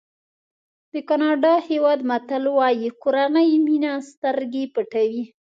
د ګاڼډا هېواد متل وایي کورنۍ مینه سترګې پټوي.